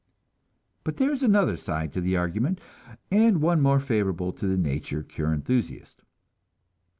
But there is another side to the argument and one more favorable to the nature cure enthusiast.